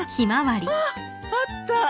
あああった！